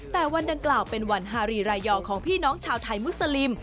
แต่วันดังกล่าวเป็นวันฮารีรายยอของพี่น้องชาวไทยมุสลิม